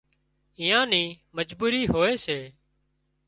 اويئان نِي مجبُوري هوئي سي